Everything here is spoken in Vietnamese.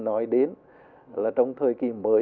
nói đến là trong thời kỳ mới